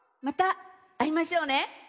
またあいましょうね。